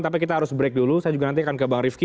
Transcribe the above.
tapi kita harus break dulu saya juga nanti akan ke bang rifki